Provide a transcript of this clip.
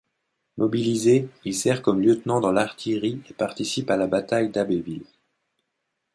Mobilisé, il sert comme lieutenant dans l'artillerie et participe à la bataille d'Abbeville.